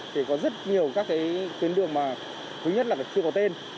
thì có rất nhiều các cái tuyến đường mà thứ nhất là chưa có tên